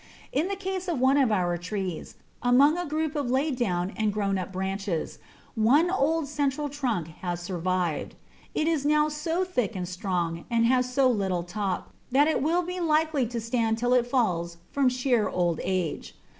In the case of one of our trees, among a group of laid down and grown up branches, one old central trunk has survived. It is now so thick and strong, and has so little top, that it will be likely to stand till it falls from sheer old age.